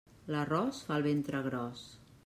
L'arròs fa el ventre gros.